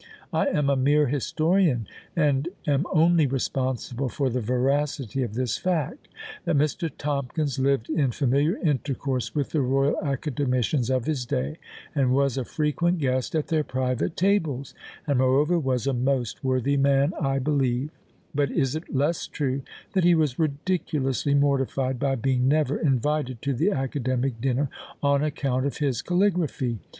I am a mere historian and am only responsible for the veracity of this fact. That "Mr. Tomkins lived in familiar intercourse with the Royal Academicians of his day, and was a frequent guest at their private tables," and moreover was a most worthy man, I believe but is it less true that he was ridiculously mortified by being never invited to the Academic dinner, on account of his caligraphy?